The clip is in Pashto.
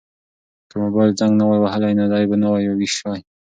که موبایل زنګ نه وای وهلی نو دی به نه وای ویښ شوی.